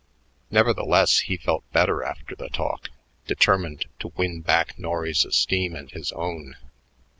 Nevertheless, he felt better after the talk, determined to win back Norry's esteem and his own.